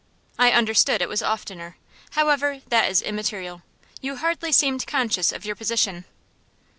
"I understood it was oftener. However, that is immaterial. You hardly seemed conscious of your position."